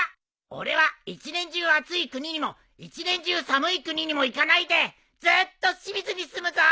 俺は一年中暑い国にも一年中寒い国にも行かないでずっと清水に住むぞ！